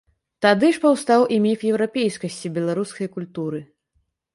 Тады ж паўстаў і міф еўрапейскасці беларускай культуры.